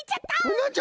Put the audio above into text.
なんじゃ？